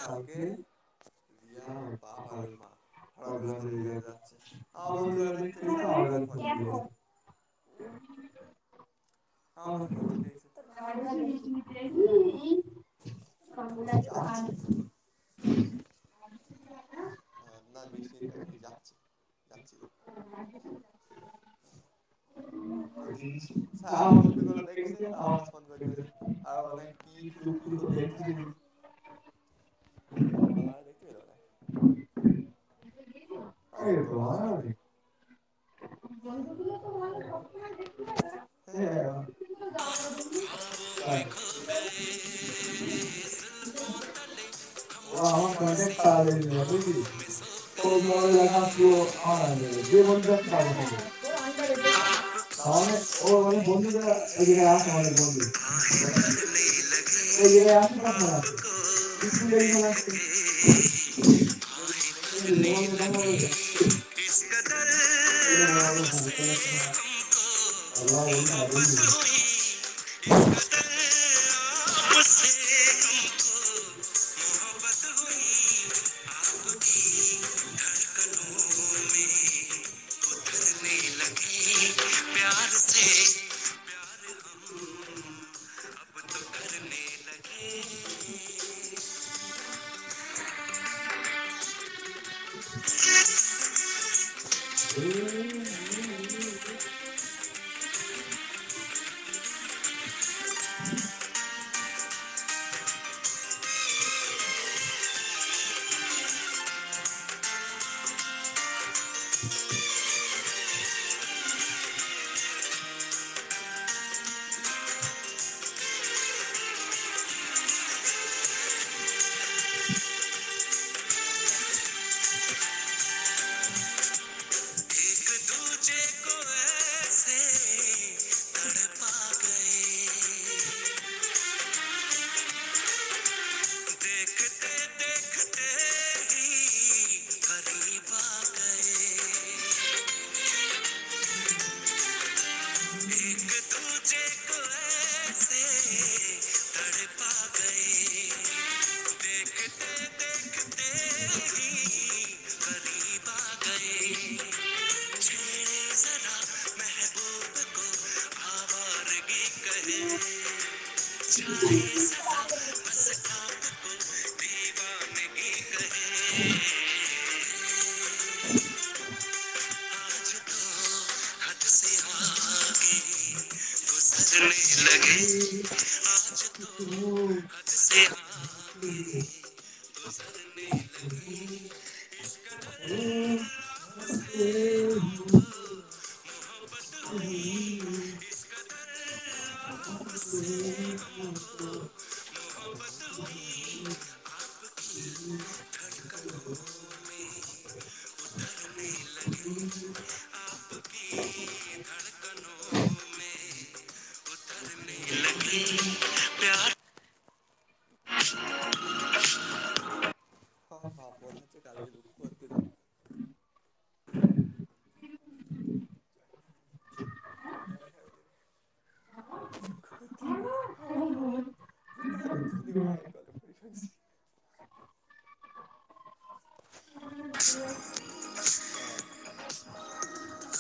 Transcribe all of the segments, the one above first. हुं ऑल के या ओर बाप आरोजमा हरेतगजरीया आव बंधुकाते तेरेस औरगज फोन फलसे हा हाच [unintelligible] पुंबूलाच आलुची तनगा ह नाही मीशशनी [unintelligible] हर दीन स आव फोटुकला देखेस आ नाचमंद करस म गि फलुक फलुकत देख तस [inaudible] कालायतीला अ येतो मरा होगवे वंदुतोलो कोतमुल दित आयरा नहीं हायरा की बाळं वो हमारा कॉन्टेस्ट आवि गेलीची [unintelligible] ते बोलतात काय बी आपको देखके आहे भरणे लगे आती तोट मन्याल्टो जीशिगाली मनसकुम मान्याग्ल्यू सायबाने बोलवलय इस कदर आप मी येतो [unintelligible] हुं [unintelligible] की नुरे जिस्ता उक हुं ह [inaudible]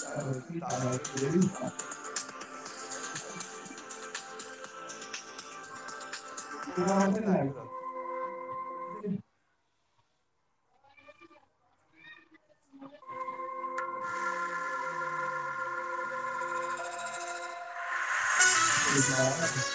- [unintelligible] अस ना - [unintelligible] त का लागते ब- [unintelligible]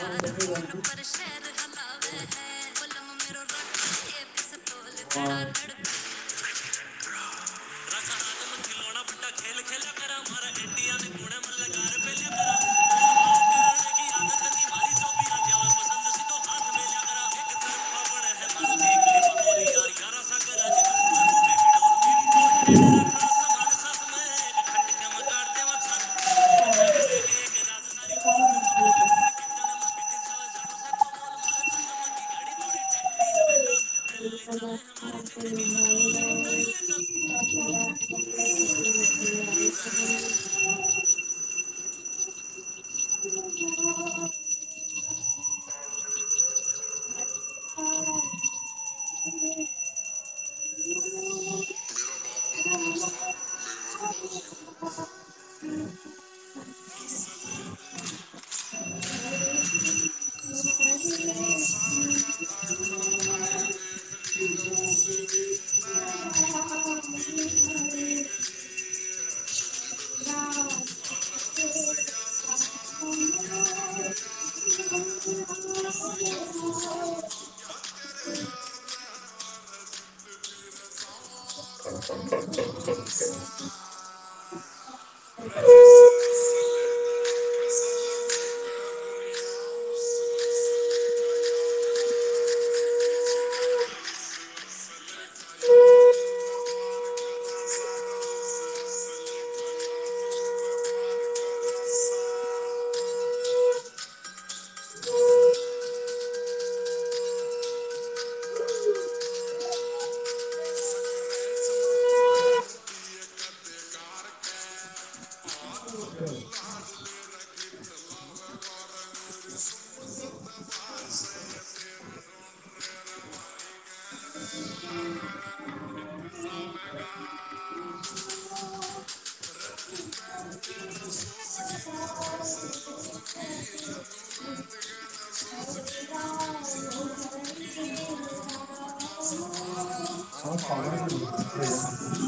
हा- [unintelligible] बस - [unintelligible] अच्- [unintelligible] हो [inaudible]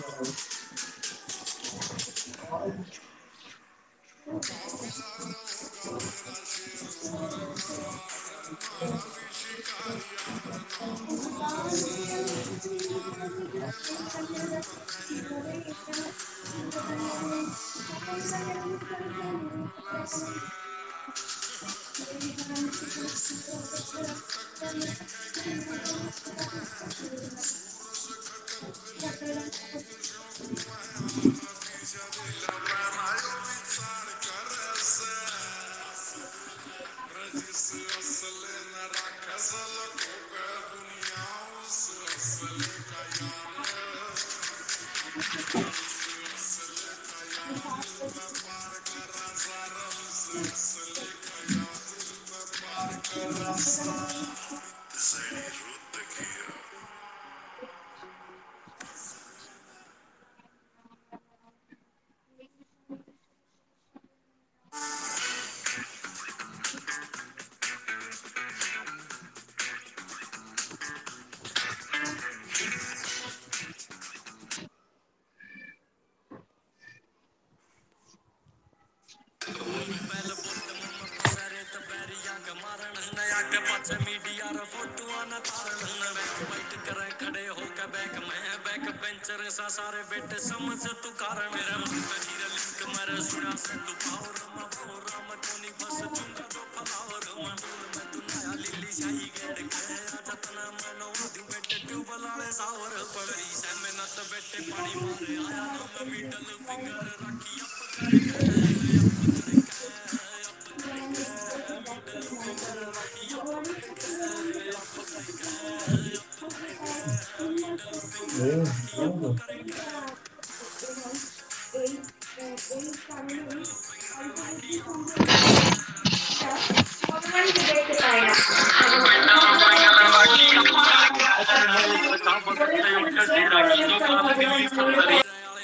- [unintelligible] ब - [unintelligible] - [unintelligible] - [unintelligible] - [unintelligible] पा मीडिया फोटोट खडे हो क बक म बॅक पंचर स सारे बेटे समज तु कार म मरस [unintelligible] तु [unintelligible] ह [unintelligible] [unintelligible] ू बला सावर प नत बेठे पाणी मारे आया ना म मिी [unintelligible] [unintelligible] डल फिंगर राखी अप डक अप डक ह [unintelligible] हो [inaudible]